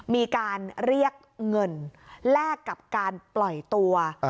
มีการเรียกเงินแลกกับการปล่อยตัว